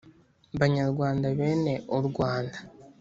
banyarwanda bene u rwanda